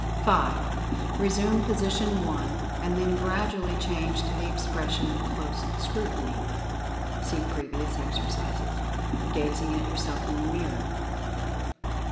5. Resume position 1, and then gradually change to the expression of Close Scrutiny (see previous ex ercises), gazing at yourself in the mirror.